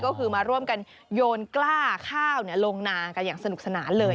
ก็คือมาร่วมกันโยนกล้าข้าวลงนากันอย่างสนุกสนานเลย